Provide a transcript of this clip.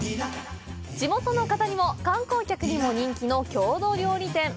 地元の方にも観光客にも人気の郷土料理店。